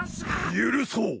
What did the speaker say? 許そう。